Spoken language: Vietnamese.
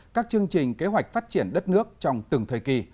các chương trình kế hoạch phát triển đất nước trong từng thời kỳ